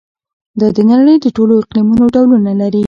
دا د نړۍ د ټولو اقلیمونو ډولونه لري.